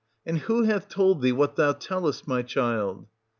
And who hath told thee what thou tellest, my child